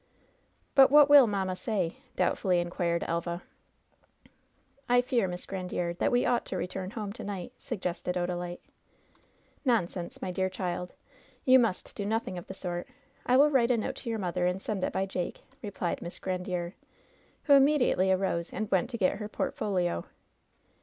"But what will mamma say?" doubtfully inquired Elva. "I fear, Miss Grandiere, that we ought to return home to night," suggested Odalite. "Nonsense, my dear child ! Tou must do nothing of the sort. I will write a note to your mother and send it by eTake," replied Miss Grandiere, who imediately arose and went to get her portfolio.